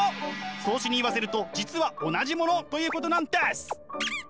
荘子に言わせると実は同じものということなんです！